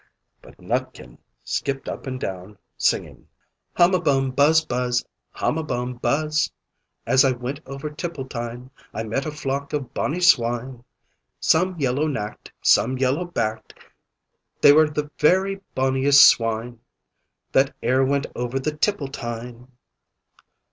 But Nutkin skipped up and down, singing "Hum a bum! buzz! buzz! Hum a bum buzz! As I went over Tipple tine I met a flock of bonny swine; Some yellow nacked, some yellow backed! They were the very bonniest swine That e'er went over the Tipple tine."